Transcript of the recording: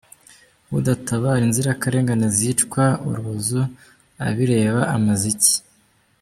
Udatabara inzirakarengane zicwa urubozo abireba amaze iki?